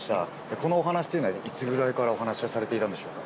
このお話っていうのは、いつごろからお話はされていたんでしょうか？